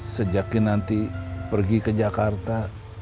sejaknya nanti pergi ke jakarta